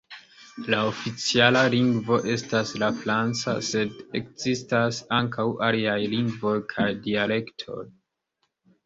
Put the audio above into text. La oficiala lingvo estas la franca, sed ekzistas ankaŭ aliaj lingvoj kaj dialektoj.